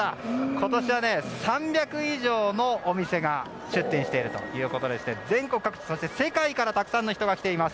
今年は３００以上のお店が出店しているということでして全国各地、世界からたくさんの人が来ています。